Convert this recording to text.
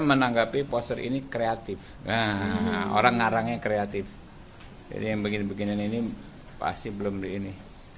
menanggapi poster ini kreatif nah orang ngarangnya kreatif jadi yang begini begini ini pasti belum di ini